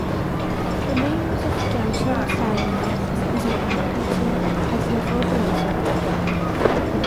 The main use of calcium cyanamide is in agriculture as a fertilizer.